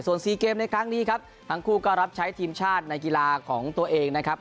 ส่วน๔เกมในครั้งนี้ครับทั้งคู่ก็รับใช้ทีมชาติในกีฬาของตัวเองนะครับ